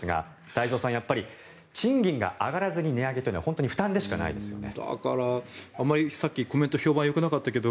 太蔵さん、やっぱり賃金が上がらずに値上げというのは本当に負担でしかないですよね。